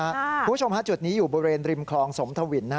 คุณผู้ชมฮะจุดนี้อยู่บริเวณริมคลองสมทวิน